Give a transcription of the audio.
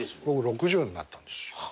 僕６０になったんですよ。